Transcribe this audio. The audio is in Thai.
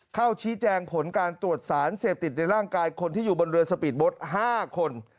เข้าชี้แจงผลการตรวจสารเสพติดในร่างกายคนที่อยู่บนเรือสปีดโบ๊ท๕คน